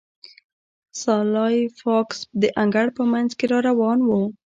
سلای فاکس د انګړ په مینځ کې را روان و